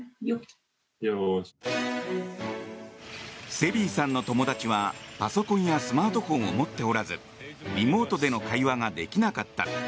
セビーさんの友達はパソコンやスマートフォンを持っておらずリモートでの会話ができなかった。